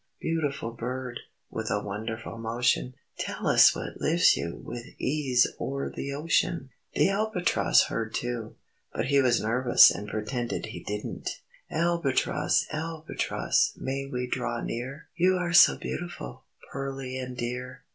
Beautiful bird, With a wonderful motion, Tell us what lifts you With ease o'er the ocean." The Albatross heard too, but he was nervous and pretended he didn't. "Albatross! Albatross! May we draw near? You are so beautiful, Pearly and dear.